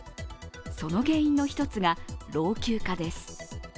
その原因の１つが老朽化です。